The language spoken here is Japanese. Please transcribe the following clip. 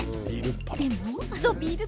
でも。